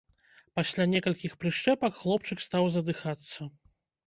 Пасля некалькіх прышчэпак хлопчык стаў задыхацца.